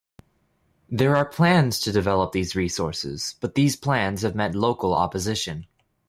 There are plans to develop these resources, but these plans have met local opposition.